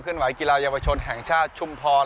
ไหกีฬาเยาวชนแห่งชาติชุมพร